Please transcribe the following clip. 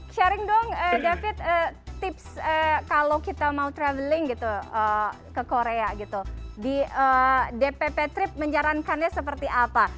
sharing dong david tips kalau kita mau traveling gitu ke korea gitu di dpp trip menyarankannya seperti apa